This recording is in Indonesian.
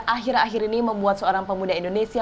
akhir akhir ini membuat seorang pemuda indonesia